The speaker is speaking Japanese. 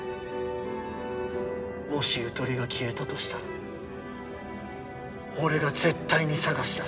もしゆとりが消えたとしたら俺が絶対に捜し出す。